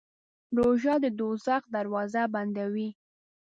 روژه د دوزخ دروازې بندوي.